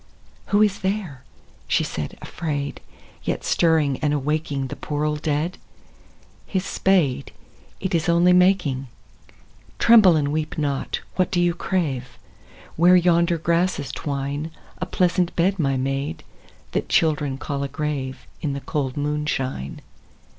II. Who is there, she said afraid, yet Stirring and awaking The poor old dead? His spade, it Is only making, — (Tremble and weep not I What do you crave ?) Where yonder grasses twine, A pleasant bed, my maid, that Children call a grave, In the cold moonshine.